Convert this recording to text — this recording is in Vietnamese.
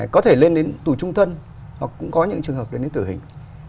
có thể lên đến tù trung thân hoặc cũng có những trường hợp lên đến tử hình